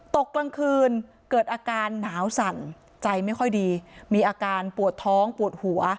กลางคืนเกิดอาการหนาวสั่นใจไม่ค่อยดีมีอาการปวดท้องปวดหัว